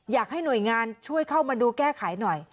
อยากให้หน่วยงานช่วยเข้ามาดูแก้ไขหน่อย